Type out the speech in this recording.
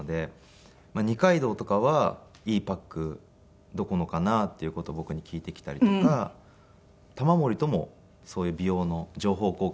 二階堂とかは「いいパックどこのかな？」っていう事を僕に聞いてきたりとか玉森ともそういう美容の情報交換だったりは。